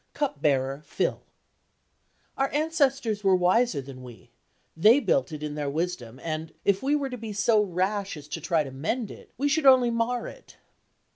Cup bearer, fill. Our ancestors were wiser than we: they built it in their wisdom; and, if we were to be so rash as to try to mend it, we should only mar it."